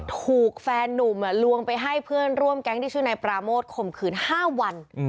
ถูกแฟนนุ่มลวงไปให้เพื่อนร่วมแก๊งที่ชื่อนายปราโมทข่มขืน๕วัน